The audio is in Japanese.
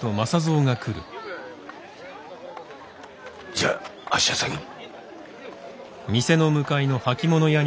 じゃああっしは先に。